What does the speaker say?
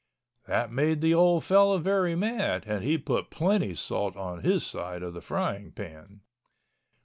That made the old fellow very mad and he put plenty salt on his side of the frying pan.